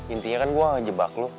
intinya kan gue gak ngejebak lo